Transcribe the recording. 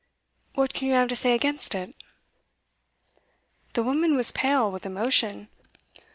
What can you have to say against it?' The woman was pale with emotion.